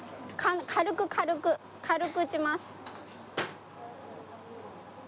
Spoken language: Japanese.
軽く軽く軽く打ちます。